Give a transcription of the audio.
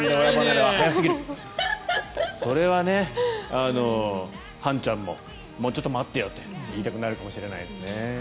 それは、はんちゃんももうちょっと待ってよと言いたくなるかもしれないです。